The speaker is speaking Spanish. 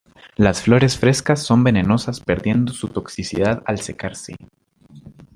Las flores frescas son venenosas perdiendo su toxicidad al secarse.